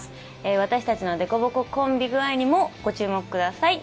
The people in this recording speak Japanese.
私たちの凸凹コンビ具合にもご注目ください。